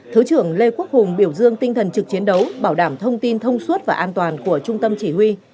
thứ trưởng lê quốc hùng biểu dương tinh thần trực chiến đấu bảo đảm thông tin thông suốt và an toàn của trung tâm chỉ huy